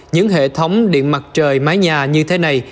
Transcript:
những hệ thống điện mặt trời mái nhà như thế này